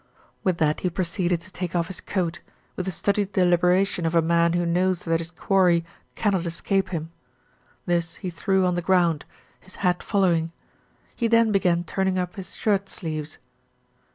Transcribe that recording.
With that he proceeded to take off his coat, with the studied deliberation of a man who knows that his quarry cannot escape him. This he threw on the ground, his hat following. He then began turning up his shirt sleeves.